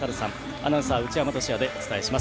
アナウンサーは内山俊哉です。